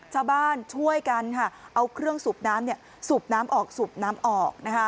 ชาวบ้านช่วยกันค่ะเอาเครื่องสูบน้ำสูบน้ำออกสูบน้ำออกนะคะ